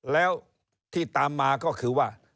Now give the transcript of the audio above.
แล้วที่ตามมาก็คือว่า